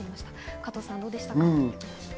加藤さん、どうでしたか？